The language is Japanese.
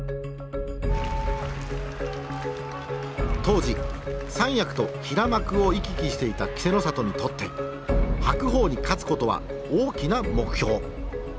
当時三役と平幕を行き来していた稀勢の里にとって白鵬に勝つことは大きな目標。